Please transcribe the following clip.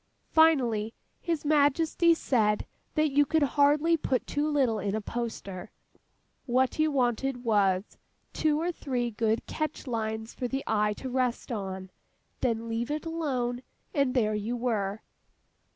Finally, His Majesty said that you could hardly put too little in a poster; what you wanted, was, two or three good catch lines for the eye to rest on—then, leave it alone—and there you were!